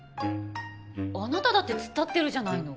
あなただって突っ立ってるじゃないの。